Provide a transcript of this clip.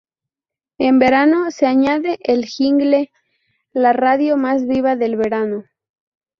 En verano, se añade el jingle: "La radio más viva del verano".